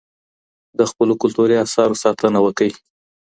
د خپلو کلتوري اثارو ساتنه وکړئ.